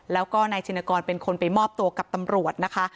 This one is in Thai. แล้วก็นายชินกรเป็นคนไปมอบตัวกับตำรวจนะคะ